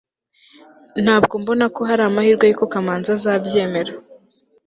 ntabwo mbona ko hari amahirwe yuko kamanzi azabyemera